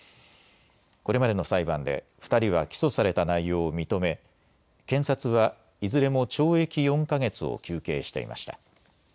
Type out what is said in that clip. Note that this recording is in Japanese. これまでの裁判で２人は起訴された内容を認め検察はいずれも懲役４か月を求刑していました。